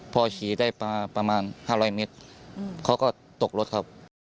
พอขี่ได้ประมาณ๕๐๐เมตรเขาก็ตกรถครับ